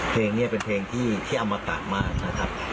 เพลงนี้เป็นเพลงที่อมตะมากนะครับ